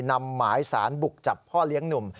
นำหมายสารบุกจับพ่อเลี้ยงหนุ่ม